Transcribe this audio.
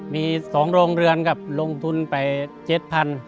มี๒โรงเรือนครับลงทุนไป๗๐๐บาท